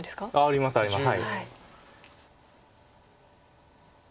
ありますあります。